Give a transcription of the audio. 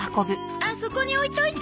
あっそこに置いといて。